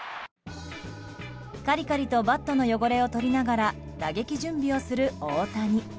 カリカリとバットの汚れを取りながら打撃準備をする大谷。